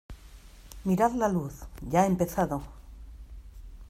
mirad la luz, ya ha empezado.